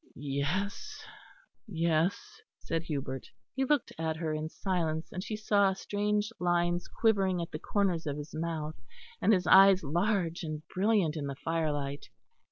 "Yes, yes," said Hubert. He looked at her in silence, and she saw strange lines quivering at the corners of his mouth, and his eyes large and brilliant in the firelight.